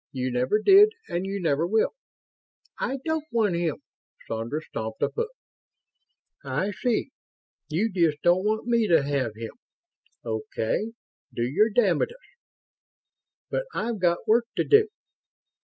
You never did and you never will." "I don't want him!" Sandra stamped a foot. "I see. You just don't want me to have him. Okay, do your damnedest. But I've got work to do.